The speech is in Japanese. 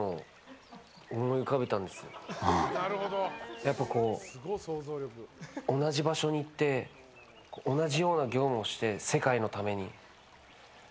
やっぱこう同じ場所に行って同じような業務をして世界のために。